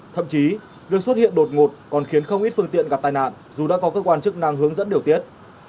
thậm chí việc xuất hiện đột ngột còn khiến không ít phương tiện gặp tai nạn dù đã có cơ quan chức năng hướng dẫn điều tiết